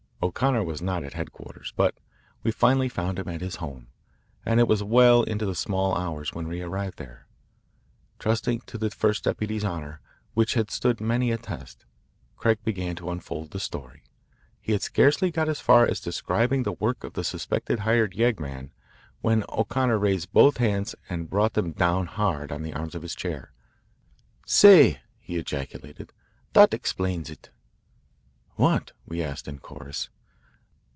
O'Connor was not at headquarters, but we finally found him at his home, and it was well into the small hours when we arrived there. Trusting to the first deputy's honour, which had stood many a test, Craig began to unfold the story. He had scarcely got as far as describing the work of the suspected hired yeggman, when O'Connor raised both hands and brought them down hard on the arms of his chair. "Say," he ejaculated, "that explains it!" "What?" we asked in chorus.